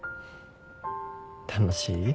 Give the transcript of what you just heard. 楽しい？